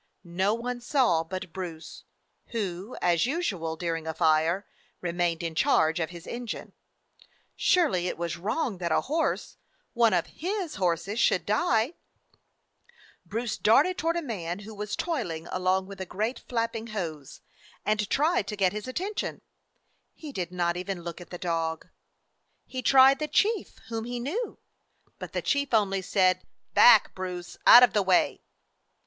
No one saw but Bruce, who, as usual during a fire, remained in charge of his engine. Surely it was wrong that a horse, one of his horses, should die ! Bruce darted toward a man who was toiling along with a great flapping hose, and tried to 261 DOG HEROES OF MANY LANDS get his attention. He did not even look at the dog. He tried the chief, whom he knew; but the chief only said, "Back, Bruce; out of the way!"